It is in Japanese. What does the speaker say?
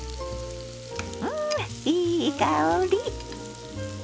んいい香り！